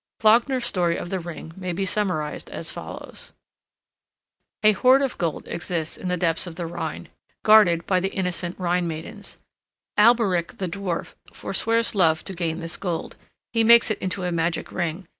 Wagner's story of the Ring may be summarized as follows: A hoard of gold exists in the depths of the Rhine, guarded by the innocent Rhine maidens. Alberich, the dwarf, forswears love to gain this gold. He makes it into a magic ring.